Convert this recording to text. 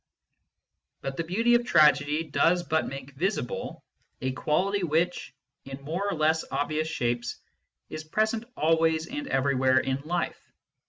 But the beauty of Tragedy does but make visible a quality which, in more or less obvious shapes, is present always and everywhere in life.